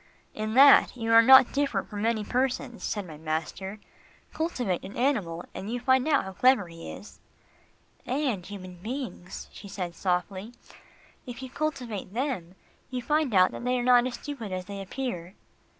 "In that you are not different from many persons," said my master. "Cultivate an animal, and you find out how clever he is." "And human beings," she said softly, "if you cultivate them, you find out that they are not as stupid as they appear."